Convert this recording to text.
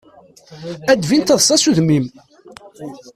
Ad tbin taḍsa s udem-im.